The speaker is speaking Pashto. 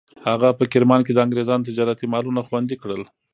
هغه په کرمان کې د انګریزانو تجارتي مالونه خوندي کړل.